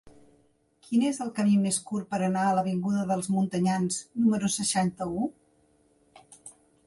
Quin és el camí més curt per anar a l'avinguda dels Montanyans número seixanta-u?